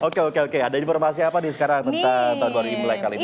oke oke oke ada informasi apa nih sekarang tentang tahun baru imlek kali ini